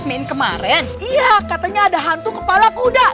iya katanya ada hantu kepala kuda